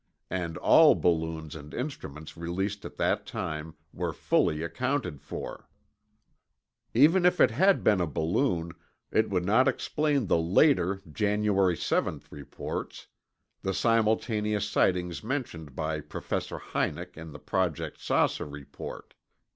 And all balloons and instruments released at that time were fully accounted for. Even if it had been a balloon, it would not explain the later January 7th reports—the simultaneous sightings mentioned by Professor Hynek in the Project "Saucer" report.